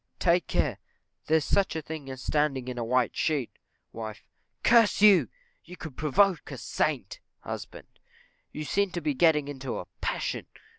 _ Take care, there's such a thing as standing in a white sheet! Wife. Curse you! you would provoke a saint. Husband. You seem to be getting into a passion.